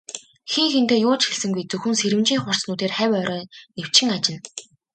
Хэн хэндээ юу ч хэлсэнгүй, зөвхөн сэрэмжийн хурц нүдээр хавь ойроо нэвчин ажна.